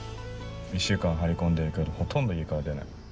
１週間張り込んでるけどほとんど家から出ない。